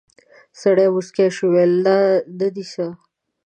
سړی موسکی شو: ولې، نه دي څه؟